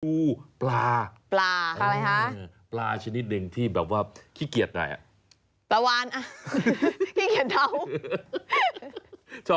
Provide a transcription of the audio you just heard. ปูปลาปลาชนิดหนึ่งที่แบบว่าขี้เกียจได้ปลาวานขี้เกียจเท้า